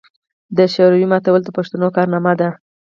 د شوروي ماتول د پښتنو کارنامه ده.